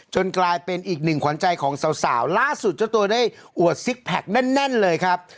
กลายเป็นอีกหนึ่งขวัญใจของสาวล่าสุดเจ้าตัวได้อวดซิกแพคแน่นเลยครับ